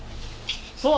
そう。